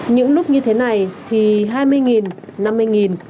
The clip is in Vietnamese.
những lúc như thế này thì hai mươi nghìn năm mươi nghìn